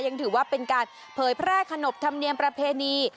ยังถือว่าเป็นการเผยแพร่ขนบธรรมเนียมประเพณี